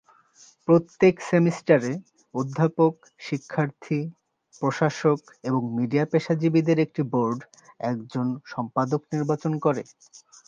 প্রত্যেক সেমিস্টারে অধ্যাপক, শিক্ষার্থী, প্রশাসক এবং মিডিয়া পেশাজীবীদের একটি বোর্ড একজন সম্পাদক নির্বাচন করে।